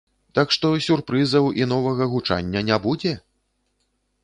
Так што сюрпрызаў і новага гучання не будзе?